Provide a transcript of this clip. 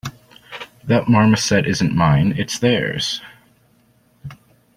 That marmoset that isn't mine; it's theirs!